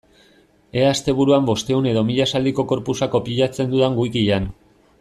Ea asteburuan bostehun edo mila esaldiko corpusa kopiatzen dudan wikian.